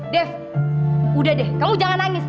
dev udah deh kamu jangan nangis